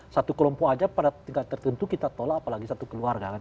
satu kelompok aja pada tingkat tertentu kita tolak apalagi satu keluarga kan